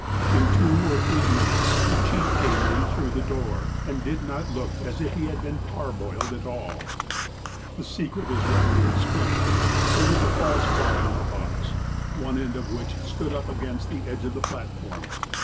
In two or three minutes, the chief came in through the door, and did not look as if he had been parboiled at all. The secret is readily explained. There was a false bottom in the box, one end of which stood up against the edge of the platform.